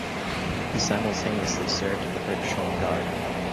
He simultaneously served in the British Home Guard.